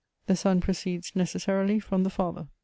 The Son proceeds necessarily from the Father.